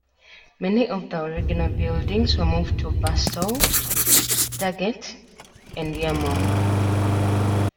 Many of the original buildings were moved to Barstow, Daggett and Yermo.